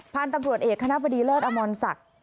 พ่านตำรวจเอกคณะบดีเลิศอมรสัก